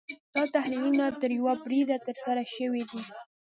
دا تحلیلونه تر یوه بریده ترسره شوي دي.